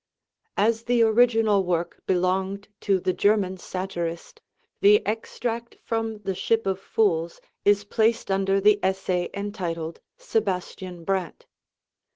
As the original work belonged to the German satirist, the extract from the 'Ship of Fools' is placed under the essay entitled 'Sebastian Brandt.'